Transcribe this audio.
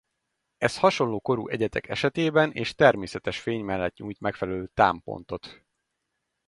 Ez hasonló korú egyedek esetében és természetes fény mellett nyújt megfelelő támpontot.